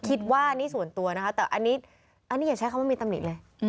คิดว่านี่ส่วนตัวนะคะแต่อันนี้อย่าใช้คำว่ามีตำหนิเลย